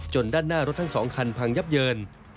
ด้านหน้ารถทั้ง๒คันพังยับเยิน